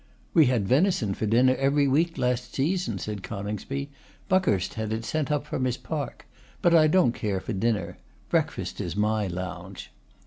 'We had venison for dinner every week last season,' said Coningsby; 'Buckhurst had it sent up from his park. But I don't care for dinner. Breakfast is my lounge.